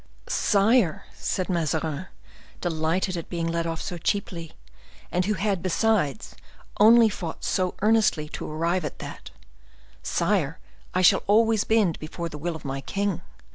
"Sire," said Mazarin, delighted at being let off so cheaply, and who had, besides, only fought so earnestly to arrive at that,—"sire, I shall always bend before the will of my king.